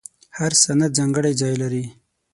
هر سند ځانګړی ځای لري.